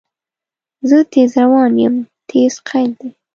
زه تیز روان یم – "تیز" قید دی.